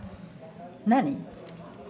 何？